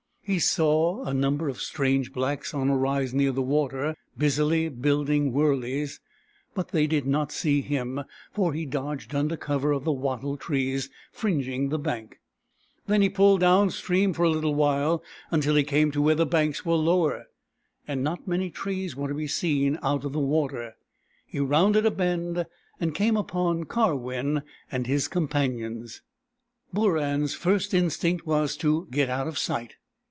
He saw a number of strange blacks on a rise near the water, busily building wurleys ; but they did not see him, for he dodged under cover of the wattle trees fringing the bank. Then he pulled down stream for a little while, until he came to where the banks were lower, and not m^any trees were to be seen out of the water. He rounded a bend, and came upon Karwin and his companions. Booran's first instinct was to get out of sight.